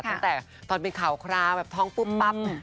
ตั้งแต่ตอนเป็นข่าวคราวแบบท้องปุ๊บปั๊บ